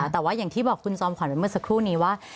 แต่ว่าอย่างที่บอกคุณจอมขวัญไปเมื่อสักครู่นี้ว่า